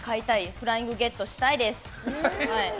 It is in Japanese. フライングゲットしたいです。